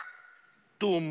どうも。